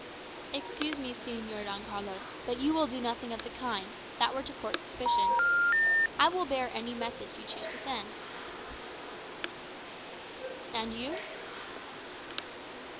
"Excuse me, Señor Don Carlos, but you will do nothing of the kind; that were to court suspicion. I will bear any message you choose to send." "And you?"